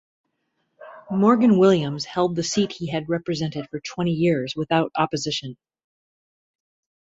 Morgan Williams held the seat he had represented for twenty years without opposition.